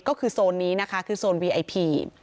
ก็คือโซนนี้นะคะคือโซนวีไอพี